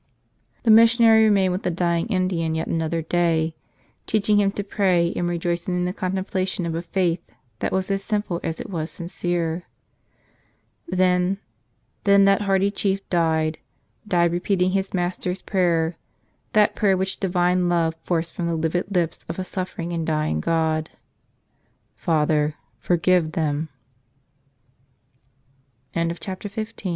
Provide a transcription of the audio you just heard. The missionary remained with the dying Indian yet another day, teaching him to pray and rejoicing in the contemplation of a faith that was as simple as it was sincere. Then that hardy chieftain died — died repeating His Master's prayer, that prayer which di¬ vine love forced from the livid lips of a suffering and dyin